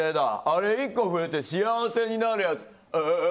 あれ１本増えて「幸」になるやつ。